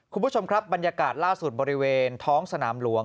คุณผู้ชมครับบรรยากาศล่าสุดบริเวณท้องสนามหลวง